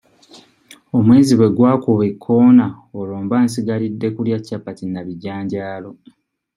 Omwezi bwe gwakuba ekoona olwo mba nsigalidde kulya capati na bijanjaalo.